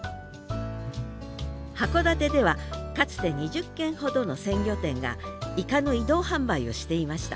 函館ではかつて２０軒ほどの鮮魚店がイカの移動販売をしていました。